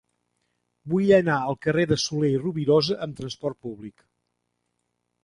Vull anar al carrer de Soler i Rovirosa amb trasport públic.